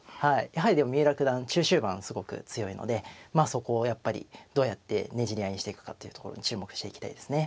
やはりでも三浦九段中終盤すごく強いのでまあそこをやっぱりどうやってねじり合いにしていくかっていうところに注目していきたいですね。